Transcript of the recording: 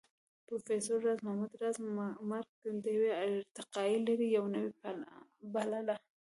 پروفېسر راز محمد راز مرګ د يوې ارتقائي لړۍ يوه نوې پله بلله